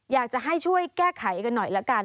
อยากจะให้ช่วยแก้ไขกันหน่อยละกัน